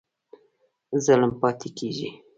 ظلم پاتی کیږي؟